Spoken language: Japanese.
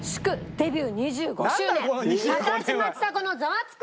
デビュー２５周年高嶋ちさ子のザワつく！